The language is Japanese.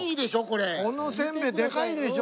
このせんべいでかいでしょ。